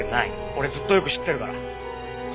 俺ずっとよく知ってるから。